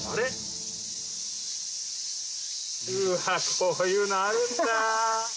こういうのあるんだ。